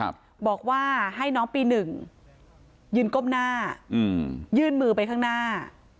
บอกว่าให้น้องปีหนึ่งยืนก้มหน้าอืมยื่นมือไปข้างหน้า